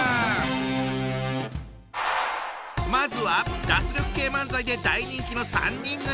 まずは脱力系漫才で大人気の３人組！